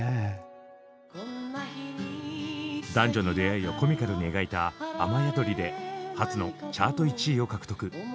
男女の出会いをコミカルに描いた「雨やどり」で初のチャート１位を獲得。